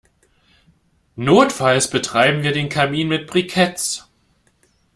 Notfalls betreiben wir den Kamin mit Briketts.